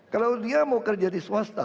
kalau dia mau kerja di swasta